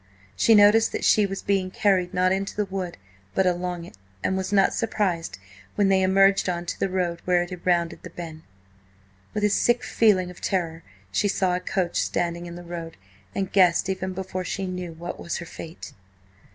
She noticed that she was being carried not into the wood, but along it, and was not surprised when they emerged on to the road where it had rounded the bend. With a sick feeling of terror, she saw a coach standing in the road, and guessed, even before she knew, what was her fate.